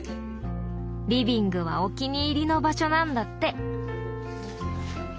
リビングはお気に入りの場所なんだって。